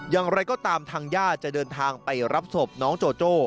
อย่างไรก็ตามทางญาติจะเดินทางไปรับศพน้องโจโจ้